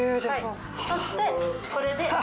そしてこれで。